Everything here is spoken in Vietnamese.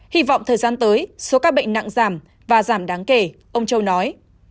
hy vọng thời gian tới số ca bệnh nặng giảm và giảm đáng kể ông châu nói